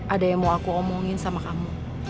ada yang mau aku omongin sama kamu